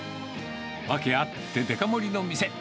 ワケあってデカ盛りの店。